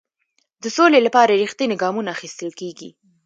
د سولې لپاره رښتیني ګامونه اخیستل کیږي.